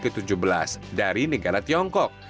ke tujuh belas dari negara tiongkok